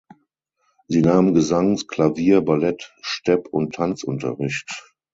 Sie nahm Gesangs-, Klavier-, Ballett-, Stepp- und Tanzunterricht.